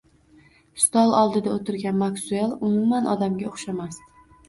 Stol oldida o`tirgan Maksuel umuman odamga o`xshamasdi